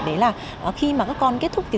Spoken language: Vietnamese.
đấy là khi mà các con kết thúc học tập